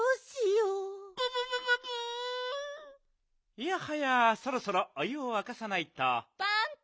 いやはやそろそろお湯をわかさないと。